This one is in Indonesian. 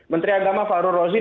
menteri agama faru rozi